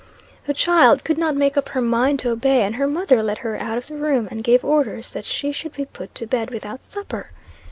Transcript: The child could not make up her mind to obey; and her mother led her out of the room, and gave orders that she should be put to bed without supper.